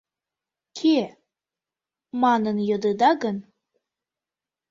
«Кӧ» манын йодыда гын